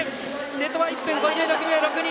瀬戸は１分５６秒６２。